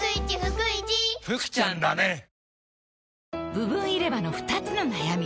部分入れ歯の２つの悩み